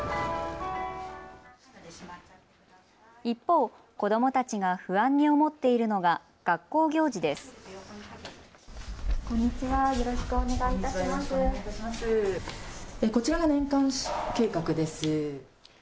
一方、子どもたちが不安に思っているのが学校行事です。